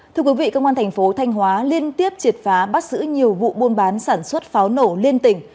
thưa quý vị công an thành phố thanh hóa liên tiếp triệt phá bắt giữ nhiều vụ buôn bán sản xuất pháo nổ liên tỉnh